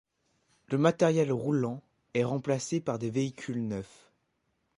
Le matériel roulant est remplacé par des véhicules neufs.